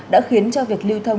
đã khiến cho việc lưu thông